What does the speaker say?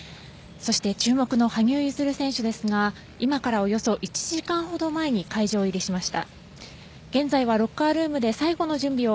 そして注目の羽生結弦選手ですが今からおよそ１時間ほど前に会場入りしました。